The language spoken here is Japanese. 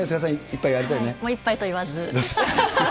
もう１杯と言わず。